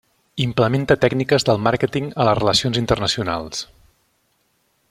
Implementa tècniques del màrqueting a les relacions internacionals.